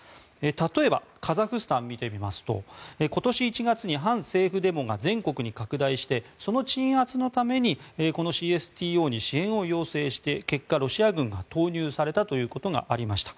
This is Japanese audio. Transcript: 例えばカザフスタンを見てみますと今年１月に反政府デモが全国に拡大してその鎮圧のためにこのＣＳＴＯに支援を要請して、結果ロシア軍が投入されたということがありました。